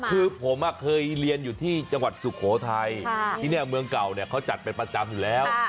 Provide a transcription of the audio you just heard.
คือผมเคยเรียนอยู่ที่จังหวัดสุโขทัยที่นี่เมืองเก่าเนี่ยเขาจัดเป็นประจำอยู่แล้ว